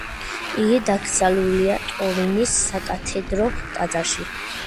იგი დაკრძალულია ტურინის საკათედრო ტაძარში.